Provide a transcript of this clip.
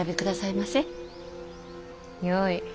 よい。